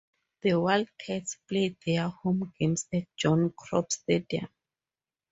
The Wildcats play their home games at John Cropp Stadium.